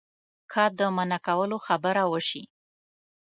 که د منع کولو خبره وشي.